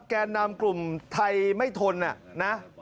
แกนนำกลุ่มไทยไม่ทนนะ